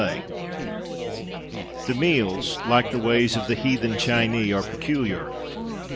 The meals, like the ways, of the "Heathen Chinee" are peculiar.